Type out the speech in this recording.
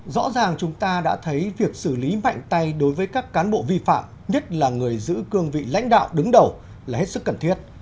rõ ràng chúng ta đã thấy việc xử lý mạnh tay đối với các cán bộ vi phạm nhất là người giữ cương vị lãnh đạo đứng đầu là hết sức cần thiết